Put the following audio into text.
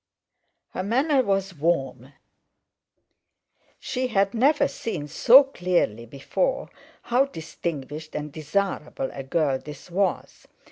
Her manner was warm; she had never seen so clearly before how distinguished and desirable a girl this was.